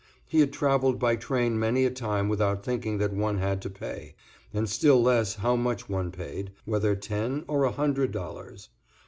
He had travelled by train many a time without thinking that one had to pay, and still less how much one paid, whether ten or a hundred dollars.